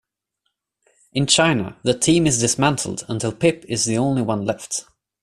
In China, the team is dismantled until Pip is the only one left.